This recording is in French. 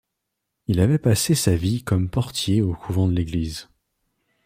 Il avait passé sa vie comme portier au couvent de l'église.